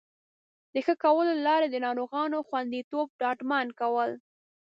ښه کولو له لارې د ناروغانو خوندیتوب ډاډمن کول